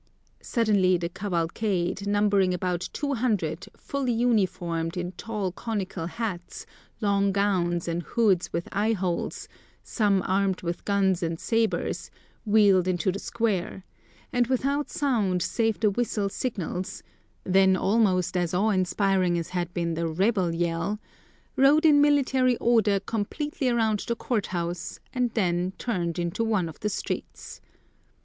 Suddenly the cavalcade, numbering about two hundred, fully uniformed in tall conical hats, long gowns, and hoods with eyeholes, some armed with guns and sabres, wheeled into the square, and without sound save the whistle signals then almost as awe inspiring as had been the "rebel yell" rode in military order completely around the court house, and then turned into one of the streets.